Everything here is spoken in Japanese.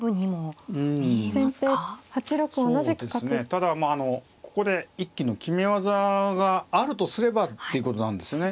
ただまあここで一気の決め技があるとすればっていうことなんですね。